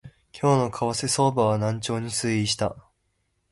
今日の為替相場は軟調に推移した